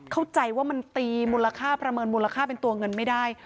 เข้าใจว่ามันตีมูลค่าประเมินมูลค่าเป็นตัวเงินไม่ได้